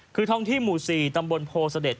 คือท่องที่หมู่๔ตำบลโพเสด็จ